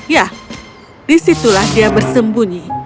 ya disitulah dia bersembunyi